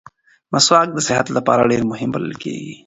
مسواک د صحت لپاره ډېر مهم بلل کېږي.